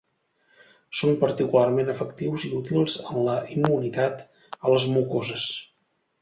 Són particularment efectius i útils en la immunitat a les mucoses.